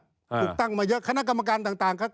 ถูกตั้งมาเยอะคณะกรรมการต่างครับ